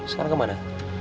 sekarang ke mana